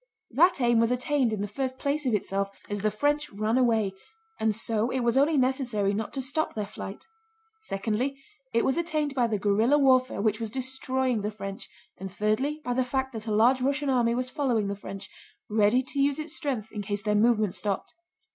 That aim was attained in the first place of itself, as the French ran away, and so it was only necessary not to stop their flight. Secondly it was attained by the guerrilla warfare which was destroying the French, and thirdly by the fact that a large Russian army was following the French, ready to use its strength in case their movement stopped.